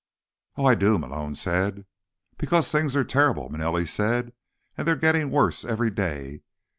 "Oh, I do," Malone said. "Because things are terrible," Manelli said. "And they're getting worse every day.